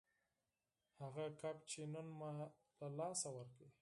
هغه کب چې نن مو له لاسه ورکړ